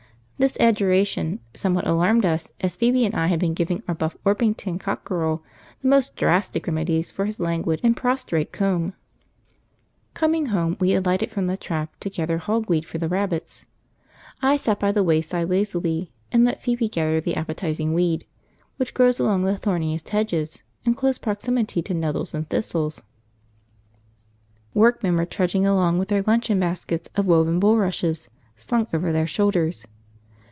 This adjuration somewhat alarmed us as Phoebe and I had been giving our Buff Orpington cockerel the most drastic remedies for his languid and prostrate comb. {Coming home: p85.jpg} Coming home we alighted from the trap to gather hogweed for the rabbits. I sat by the wayside lazily and let Phoebe gather the appetising weed, which grows along the thorniest hedges in close proximity to nettles and thistles. Workmen were trudging along with their luncheon baskets of woven bulrushes slung over their shoulders.